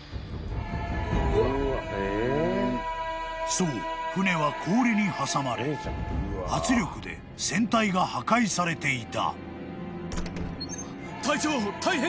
［そう船は氷に挟まれ圧力で船体が破壊されていた］